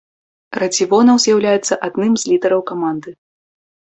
Радзівонаў з'яўляецца адным з лідараў каманды.